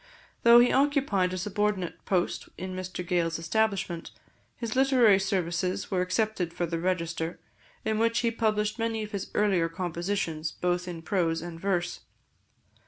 Though he occupied a subordinate post in Mr Gales' establishment, his literary services were accepted for the Register, in which he published many of his earlier compositions, both in prose and verse.